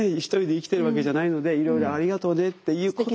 一人で生きてるわけじゃないのでいろいろありがとうねっていう。